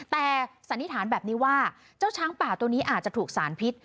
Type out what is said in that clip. แต่สันนิษฐานแบบนี้ว่าเจ้าช้างป่าตัวนี้อาจจะถูกสารพิษ